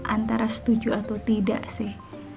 antara setuju atau tidak sih